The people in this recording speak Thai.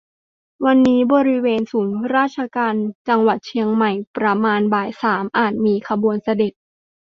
วันนี้บริเวณศูนย์ราชการจังหวัดเชียงใหม่ประมาณบ่ายสามอาจมี ขบวนเสด็จ